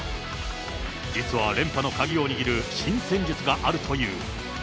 実は連覇の鍵を握る新戦術があるという。